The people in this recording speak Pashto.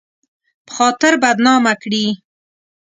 په خاطر بدنامه کړي